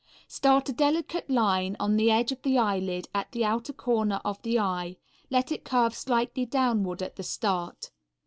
Start a delicate line on the edge of the eyelid at the outer corner of the eye, let it curve slightly downward at the start.